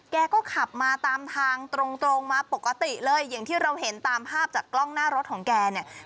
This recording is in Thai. แกก็ขับมาตามทางตรงตรงมาปกติเลยอย่างที่เราเห็นตามภาพจากกล้องหน้ารถของแกเนี่ย